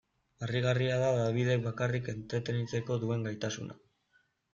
Harrigarria da Dabidek bakarrik entretenitzeko duen gaitasuna.